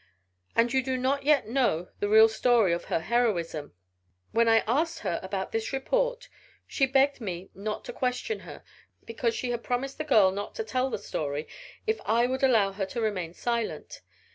And you do not yet know the real story of her heroism. When I asked her about this report she begged me not to question her, because she had promised a girl not to tell the story if I would allow her to remain silent.